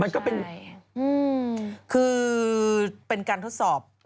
คือเป็นการทดสอบ